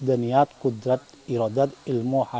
dan menggunakan roh yang lebih mulia